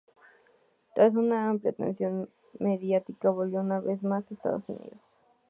Tras una amplia atención mediática volvió una vez más a Estados Unidos.